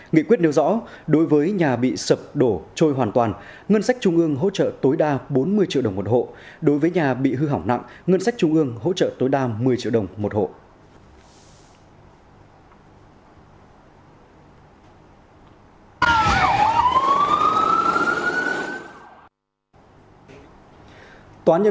nghị quyết nêu rõ đối với nhà bị sập đổ trôi hoàn toàn ngân sách trung ương hỗ trợ tối đa bốn mươi triệu đồng một hộ đối với nhà bị hư hỏng nặng ngân sách trung ương hỗ trợ tối đa một mươi triệu đồng một hộ